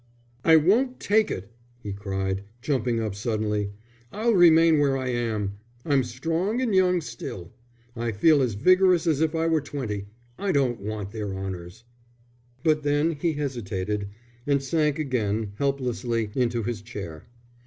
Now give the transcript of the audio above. "I won't take it," he cried, jumping up suddenly. "I'll remain where I am. I'm strong and young still; I feel as vigorous as if I were twenty. I don't want their honours." But then he hesitated, and sank again, helplessly, into his chair.